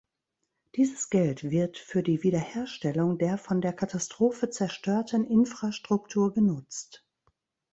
Dieses Geld wird für die Wiederherstellung der von der Katastrophe zerstörten Infrastruktur genutzt.